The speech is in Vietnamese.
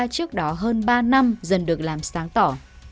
trước đó hơn ba năm dần được làm sáng tỏ